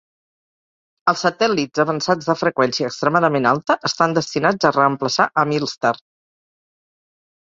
Els satèl·lits avançats de freqüència extremadament alta estan destinats a reemplaçar a Milstar.